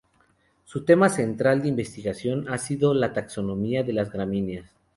Su tema central de investigación ha sido la taxonomía de las gramíneas.